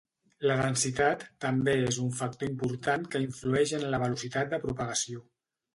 La densitat també és un factor important que influeix en la velocitat de propagació.